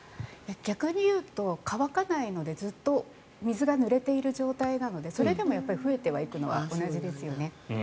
逆に言うと乾かないのでずっと水がぬれている状態なのでそれでも増えてはいくので同じですよね。